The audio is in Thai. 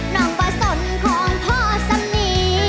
น้องป่าสนของพ่อสนิ